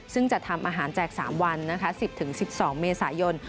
ซึ่งจะทำอาหารแจก๓วัน๑๐๑๒เมษายน